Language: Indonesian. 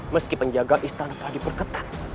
meski penjaga istana telah diperketat